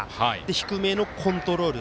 低めのコントロール。